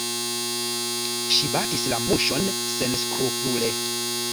Ŝi batis la muŝon senskrupule!